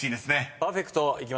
パーフェクトいきましょう。